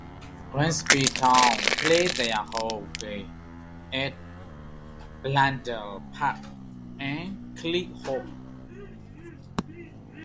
Grimsby Town play their home games at Blundell Park in Cleethorpes.